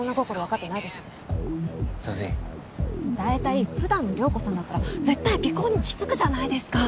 大体ふだんの涼子さんだったら絶対尾行に気付くじゃないですか。